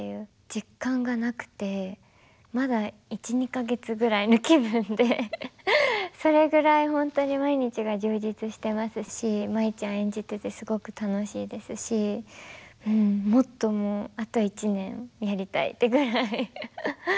実感がなくてまだ１２か月ぐらいの気分でそれぐらい本当に毎日が充実してますし舞ちゃん演じててすごく楽しいですしもっとあと１年やりたいってぐらいハハハ。